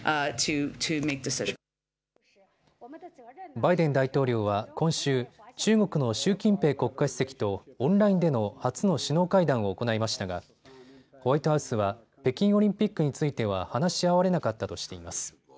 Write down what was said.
バイデン大統領は今週、中国の習近平国家主席とオンラインでの初の首脳会談を行いましたがホワイトハウスは北京オリンピックについては話し合われなかったとしています。